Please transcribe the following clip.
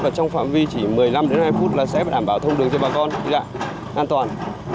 và trong phạm vi chỉ một mươi năm đến hai phút là sẽ đảm bảo thông đường cho bà con đi lại an toàn